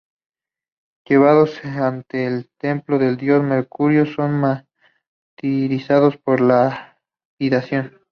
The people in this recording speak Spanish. Llevados ante el templo del dios Mercurio son martirizados por lapidación.